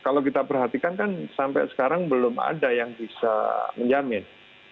kalau kita perhatikan kan sampai sekarang belum ada yang bisa menjamin